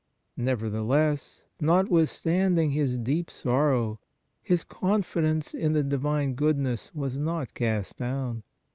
Nevertheless, notwithstanding his deep sorrow, his confidence in the divine goodness was not cast down.